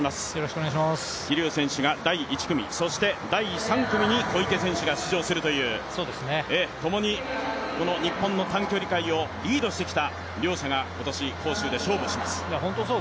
桐生選手が第１組、第３組に小池選手が出場するという共に日本の短距離界をリードしてきた両者が杭州で勝負します。